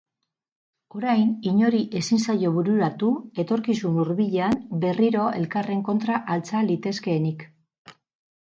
Orain inori ezin zaio bururatu etorkizun hurbilean berriro elkarren kontra altxa litezkeenik.